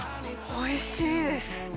おいしいです！